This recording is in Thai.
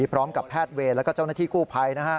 พร้อมกับแพทย์เวรแล้วก็เจ้าหน้าที่กู้ภัย